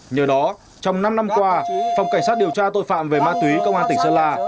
nhờ đó trong năm năm qua phòng cảnh sát điều tra tội phạm về ma túy công an tỉnh sơn la